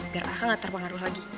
biar arka gak terbangar lagi